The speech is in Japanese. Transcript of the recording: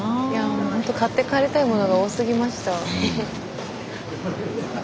もうほんと買って帰りたいものが多すぎました。